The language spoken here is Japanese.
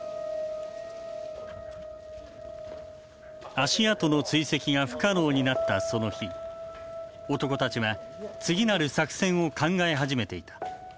足跡の追跡が不可能になったその日男たちは次なる作戦を考え始めていた。